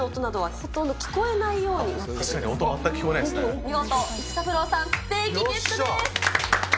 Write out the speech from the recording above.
本当に音、見事、育三郎さん、ステーキゲットです。